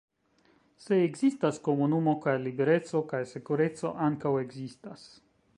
Se ekzistas komunumo, kaj libereco kaj sekureco ankaŭ ekzistas.